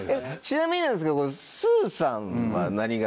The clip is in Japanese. ちなみになんですけどすぅさんは何型？